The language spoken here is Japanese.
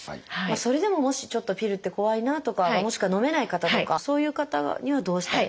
それでももしちょっとピルって怖いなとかもしくはのめない方とかそういう方にはどうしたらいいですか？